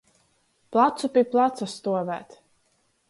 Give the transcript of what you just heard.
Placu pi placa stuovēt.